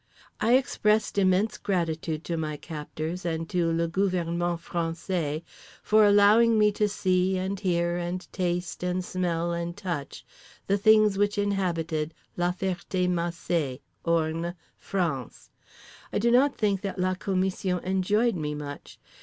I expressed immense gratitude to my captors and to le gouvernement français for allowing me to see and hear and taste and smell and touch the things which inhabited La Ferté Macé, Orne, France. I do not think that la commission enjoyed me much.